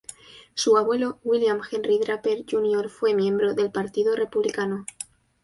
Su abuelo, William Henry Draper, Jr., fue miembro del Partido Republicano.